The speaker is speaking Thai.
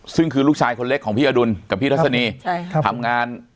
ซึ่งคือลูกชายคนเล็กของพี่อดุลกับพี่ทัศนีทำงาน